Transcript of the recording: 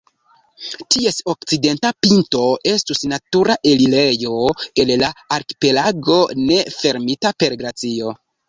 Ties okcidenta pinto estus natura elirejo el la arkipelago ne fermita per glacio.